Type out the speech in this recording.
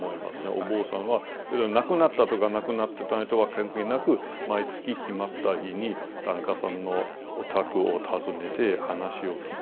お坊さんは亡くなったとか亡くなってないとは関係なく毎月決まった日に檀家さんのお宅を訪ねて話を聞く。